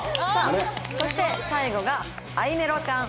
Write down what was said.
そして最後があいめろちゃん。